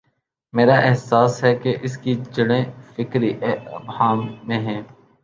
میرا احساس ہے کہ اس کی جڑیں فکری ابہام میں ہیں۔